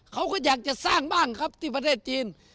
เขาก็อยากจะสร้างบ้างครับที่ประเทศจีน